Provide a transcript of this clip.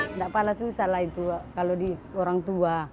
tidak pala susah lah itu kalau di orang tua